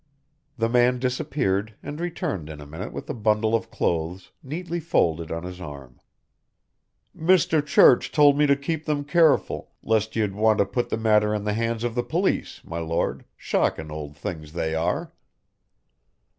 The man disappeared and returned in a minute with a bundle of clothes neatly folded on his arm. "Mr. Church told me to keep them careful, lest you'd want to put the matter in the hands of the police, my Lord, shockin' old things they are."